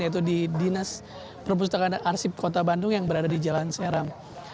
yaitu di dinas perpustakaan arsip kota bandung yang berada di jalan serang